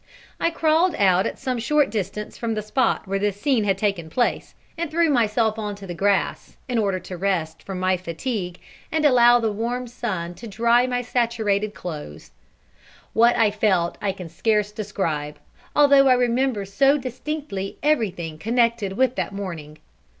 I crawled out at some short distance from the spot where this scene had taken place, and threw myself on to the grass, in order to rest from my fatigue and allow the warm sun to dry my saturated clothes. What I felt I can scarce describe, although I remember so distinctly everything connected with that morning.